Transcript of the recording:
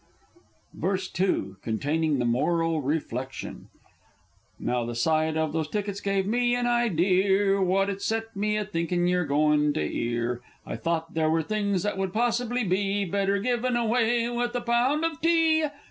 VERSE II. (Containing the moral reflection.) Now, the sight of those tickets gave me an idear. What it set me a thinking you're going to 'ear: I thought there were things that would possibly be Better given away with a Pound of Tea!